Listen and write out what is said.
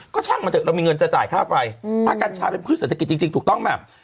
ก็ช่างมาเถอะเรามีเงินจะจ่ายค่าไฟถ้ากัญชาเป็นพืชเศรษฐกิจจริงถูกต้องไหม